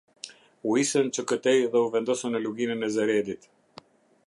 U isën që këtej dhe u vendosën në luginën e Zeredit.